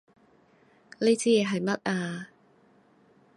呢支嘢係乜啊？